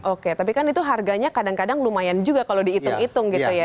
oke tapi kan itu harganya kadang kadang lumayan juga kalau dihitung hitung gitu ya